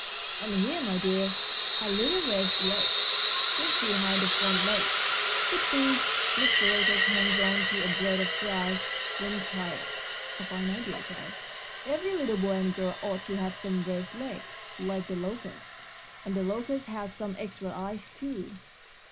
And here, my dear, are little rest legs just behind the front legs. With these Mr. Locust hangs on to a blade of grass when tired a fine idea, child; every little boy and girl ought to have some rest legs like the locust. And the locust has some extra eyes, too."